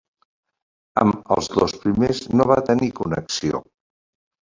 Amb els dos primers no va tenir connexió.